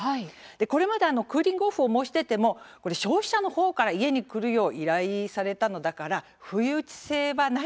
これまでクーリング・オフを申し出ても消費者のほうから家に来るよう依頼されたのだから不意打ち性は、ない。